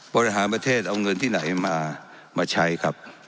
บริหารประเทศเอาเงินที่ไหนมามาใช้ครับ